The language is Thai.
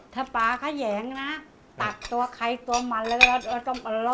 ถ้าปลาเขาแหยงนะตัดตัวไขกตัวมันแล้วต้องอร่อย